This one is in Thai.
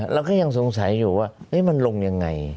เราก็สงสัยอยู่ว่าเฮ้ยมันลงยังไง